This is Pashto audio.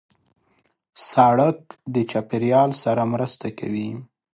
سړک د چاپېریال سره مرسته کوي.